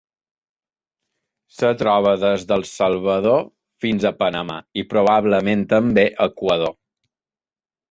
Es troba des del Salvador fins a Panamà i, probablement també, Equador.